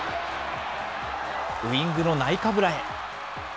ウイングのナイカブラへ。